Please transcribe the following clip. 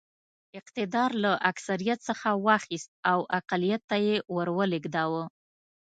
اقتدار له اکثریت څخه واخیست او اقلیت ته یې ور ولېږداوه.